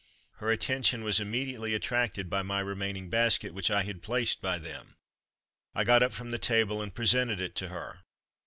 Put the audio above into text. Her attention was immediately attracted by my remaining basket, which I had placed by them. I got up from the table and presented it to her.